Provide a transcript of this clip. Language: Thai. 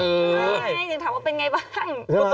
เออที่ถามว่าเป็นอย่างไรบ้าง